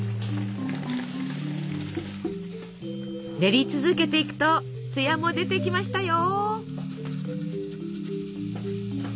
練り続けていくとつやも出てきましたよ。